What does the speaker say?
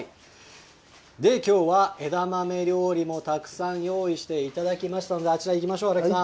きょうは、枝豆料理もたくさん用意していただきましたので、あちら行きましょう。